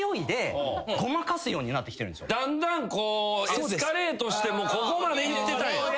だんだんエスカレートしてここまでいってた。